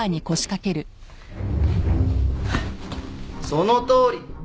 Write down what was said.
そのとおり。